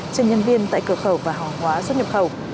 trên nhân viên tại cửa khẩu và hóa hóa xuất nhập khẩu